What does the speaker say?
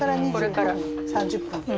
これから２５分３０分。